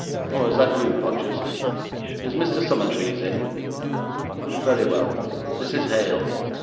Oh, is that you, Podgers? Is Mr. Summertrees in? Very well. This is Hale.